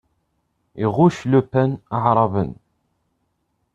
Iɣuc Le Pen Aɛraben.